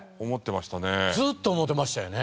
ずっと思うてましたよね。